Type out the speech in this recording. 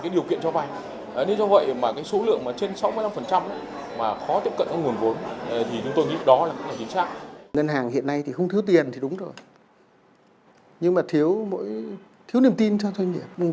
đối với doanh nghiệp lớn